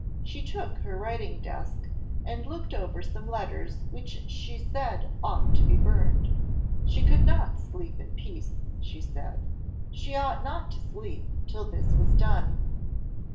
She took her writing desk, and looked over some letters which she said ought to be burned. She could not sleep in peace, she said she ought not to sleep, till this was done.